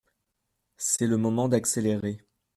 C’est le moment d’accélérer.